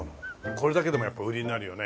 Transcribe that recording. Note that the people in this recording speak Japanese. これだけでもやっぱ売りになるよね。